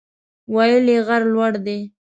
ویل یې غر لوړ دی.